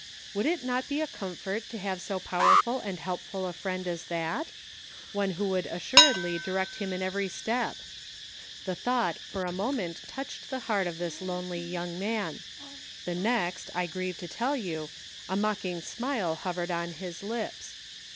Would it not be a comfort to have so powerful and helpful a Friend as that .' One who would assuredly direct in every step .• The thought for a moment touched the heart of this lonely young man ; the next, I grieve to tell you, a mocking smile hovered on his lips.